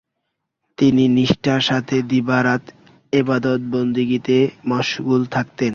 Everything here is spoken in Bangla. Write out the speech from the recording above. তিনি নিষ্ঠার সাথে দিনরাত এবাদত বন্দেগিতে মশগুল থাকতেন ।